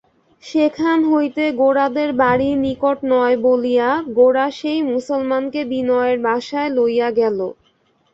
সেখান হইতে গোরাদের বাড়ি নিকট নয় বলিয়া গোরা সেই মুসলমানকে বিনয়ের বাসায় লইয়া গেল।